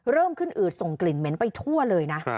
เริ่มขึ้นอืดส่งกลิ่นเหม็นไปทั่วเลยนะ